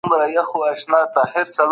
د علم په رڼا کي خپل ژوند جوړ کړئ.